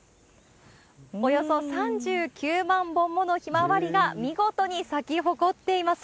およそ３９万本ものヒマワリが、見事に咲き誇っています。